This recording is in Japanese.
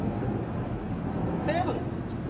セブン。